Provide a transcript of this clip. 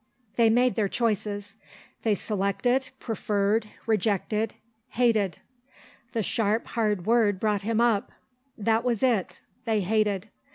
They made their choices; they selected, preferred, rejected ... hated.... The sharp, hard word brought him up. That was it; they hated.